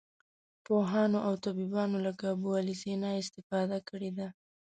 پوهانو او طبیبانو لکه ابوعلي سینا استفاده کړې ده.